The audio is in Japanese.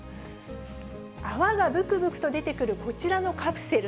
泡がぶくぶくと出てくるこちらのカプセル。